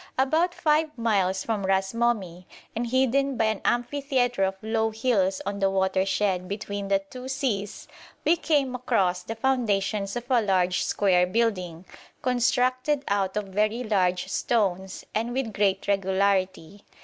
About five miles from Ras Momi, and hidden by an amphitheatre of low hills on the watershed between the two seas, we came across the foundations of a large square building, constructed out of very large stones, and with great regularity.